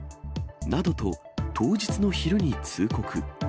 などと、当日の昼に通告。